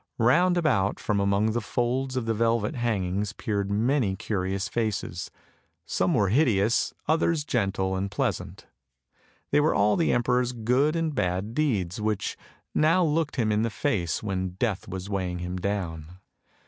Round about, from among the folds of the velvet hangings peered many curious faces, some were hideous, others gentle and pleasant. They were all the emperor's good and bad deeds, which now looked him in the face when Death was weighing him down.